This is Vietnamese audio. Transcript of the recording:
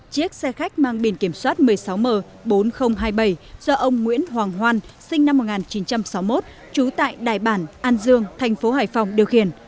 chiếc xe khách mang biển kiểm soát một mươi sáu m bốn nghìn hai mươi bảy do ông nguyễn hoàng hoan sinh năm một nghìn chín trăm sáu mươi một trú tại đài bản an dương thành phố hải phòng điều khiển